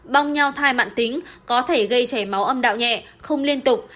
bong nhau thai mạng tính có thể gây chảy máu âm đạo nhẹ không liên tục